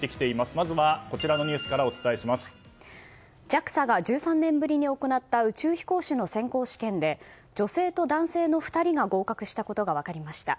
まずは、こちらのニュースからＪＡＸＡが１３年ぶりに行った宇宙飛行士の試験で女性と男性の２人が合格したことが分かりました。